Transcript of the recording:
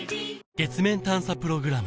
月面探査プログラム